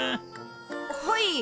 はい。